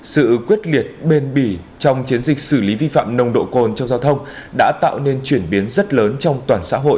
sự quyết liệt bền bỉ trong chiến dịch xử lý vi phạm nồng độ cồn trong giao thông đã tạo nên chuyển biến rất lớn trong toàn xã hội